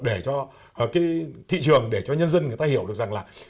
để cho cái thị trường để cho nhân dân người ta hiểu được rằng là